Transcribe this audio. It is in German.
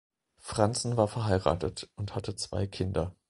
Franzen war verheiratet und hatte zwei Kinder.